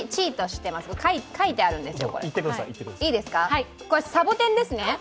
書いてあるんですよ、サボテンですね。